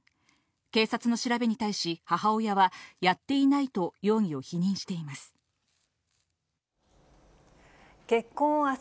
警察の調べに対し、母親は、やっていないと容疑を否認しています。